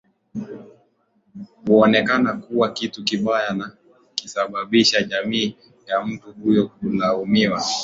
huonekana kuwa kitu kibaya na kusababisha jamii ya mtu huyo kulaumiwa